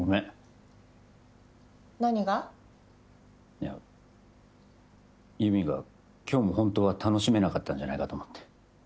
いや優美が今日も本当は楽しめなかったんじゃないかと思って。